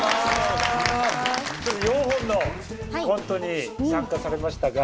４本のコントに参加されましたが。